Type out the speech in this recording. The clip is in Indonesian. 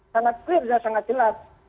sangat clear sudah sangat jelas